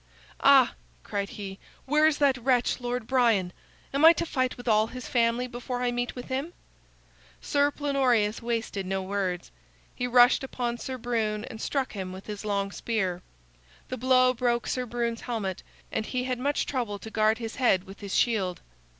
"Ah!" cried he, "where is that wretch, Lord Brian? Am I to fight with all his family before I meet with him?" Sir Plenorius wasted no words. He rushed upon Sir Brune and struck him with his long spear. The blow broke Sir Brune's helmet, and he had much trouble to guard his head with his shield.